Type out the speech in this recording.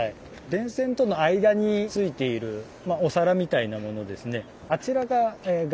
電線との間についているお皿みたいなものですね。